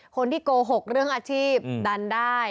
คนที่โกหกเรื่องอาชีพดันได้